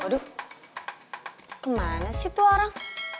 aduh kemana sih tuh orang